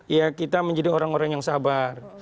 ya kita menjadi orang orang yang sabar